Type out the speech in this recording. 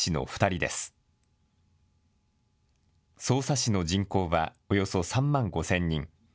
匝瑳市の人口はおよそ３万５０００人。